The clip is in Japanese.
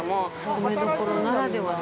米どころならではの。